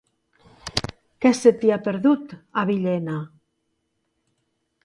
Què se t'hi ha perdut, a Villena?